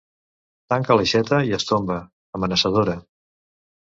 Tanca l'aixeta i es tomba, amenaçadora—.